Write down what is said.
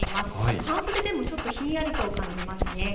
半袖でもちょっとひんやりと感じます。